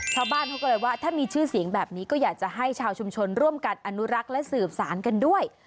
ชาวบ้านเขาก็เลยว่าถ้ามีชื่อเสียงแบบนี้ก็อยากจะให้ชาวชุมชนร่วมกันอนุรักษ์และสืบสารกันด้วย